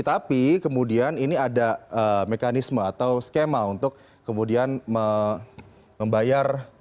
tapi kemudian ini ada mekanisme atau skema untuk kemudian membayar